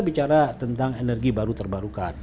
bicara tentang energi baru terbarukan